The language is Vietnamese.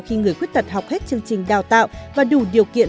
khi người khuyết tật học hết chương trình đào tạo và đủ điều kiện